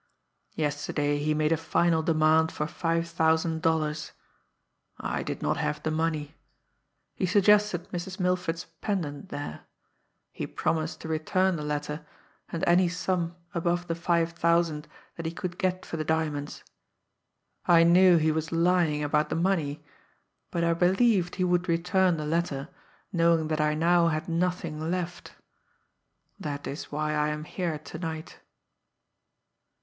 Yesterday he made a final demand for five thousand dollars. I did not have the money. He suggested Mrs. Milford's pendant there. He promised to return the letter, and any sum above the five thousand that he could get for the diamonds. I knew he was lying about the money; but I believed he would return the letter, knowing that I now had nothing left. That is why I am here to night."